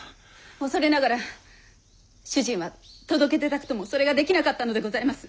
恐れながら主人は届け出たくともそれができなかったのでございます！